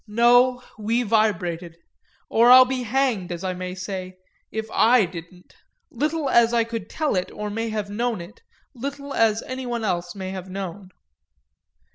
No, we vibrated or I'll be hanged, as I may say, if I didn't; little as I could tell it or may have known it, little as anyone else may have known.